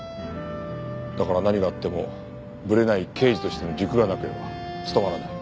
だから何があってもブレない刑事としての軸がなければ勤まらない。